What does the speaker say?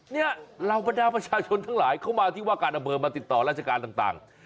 เนี่ยเหล่าบรรดาประชาชนทั้งหลายเข้ามาที่ว่าการอำเภอมาติดต่อราชการต่าง